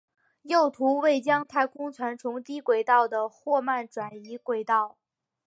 右图为将太空船从低轨道的霍曼转移轨道。